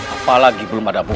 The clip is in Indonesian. apalagi belum ada buku